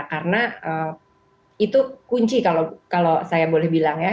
karena itu kunci kalau saya boleh bilang ya